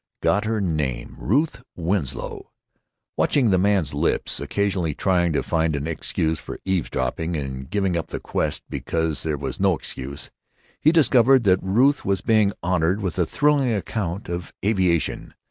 Got her name—Ruth Winslow!" Watching the man's lips (occasionally trying to find an excuse for eavesdropping, and giving up the quest because there was no excuse), he discovered that Ruth was being honored with a thrilling account of aviation.